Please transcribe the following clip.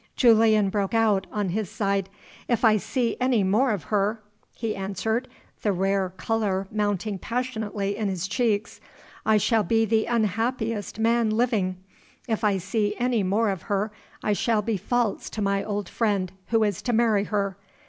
Julian broke out, on his side: "If I see any more of her," he answered, the rare color mounting passionately in his cheeks, "I shall be the unhappiest man living. If I see any more of her, I shall be false to my old friend, who is to marry her.